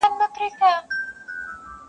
بس هر سړى پر خپله لاره په خپل کار پسې دى .